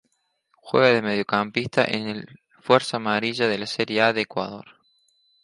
Juega de mediocampista en el Fuerza Amarilla de la Serie A de Ecuador.